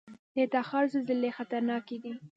د تخار زلزلې خطرناکې دي